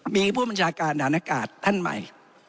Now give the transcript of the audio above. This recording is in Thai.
มีผู้บัญชาการฐานอากาศท่านใหม่